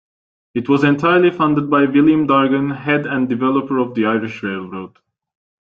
It was entirely funded by William Dargan, head and developer of the Irish Railroad.